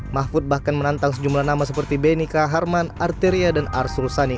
mahfud bahkan menantang sejumlah nama seperti benny kaharman arteria dan arsul sani